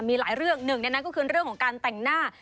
มีหลายเรื่องหนึ่งในนั้นก็คือเรื่องของการแต่งหน้า